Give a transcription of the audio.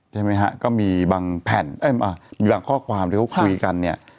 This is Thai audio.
ใช่ไหมฮะก็มีบางแผ่นมีบางข้อความที่เขาคุยกันเนี่ย